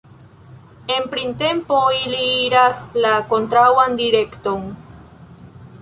En printempo ili iras la kontraŭan direkton.